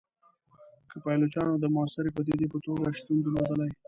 که پایلوچانو د موثري پدیدې په توګه شتون درلودلای.